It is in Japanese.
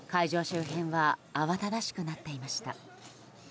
周辺は慌ただしくなっていました。